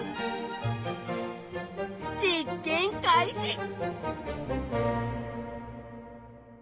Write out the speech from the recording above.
実験開始！